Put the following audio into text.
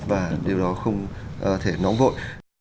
và điều đó không thể nóng vội